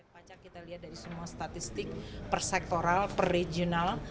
pajak kita lihat dari semua statistik persektoral perregional